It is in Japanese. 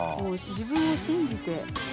自分を信じて。